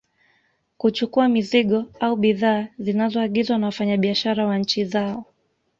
Kuchukua mizigo au bidhaa zinazoagizwa na wafanya biashara wa nchi zao